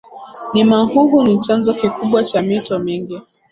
nimahuhu ni chanzo kikubwa cha mito mingi